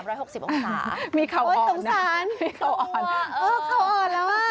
มีเขาอ่อนนะสงสารมีเขาอ่อนดูว่าเออเขาอ่อนแล้ว